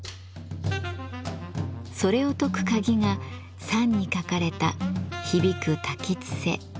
それを解く鍵が賛に書かれた「ひびく瀧つせ」